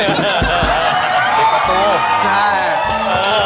ปิดประตู